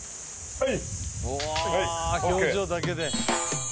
はい！